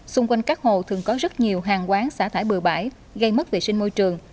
xung quanh các hồ thường có rất nhiều hàng quán xả thải bừa bãi gây mất vệ sinh môi trường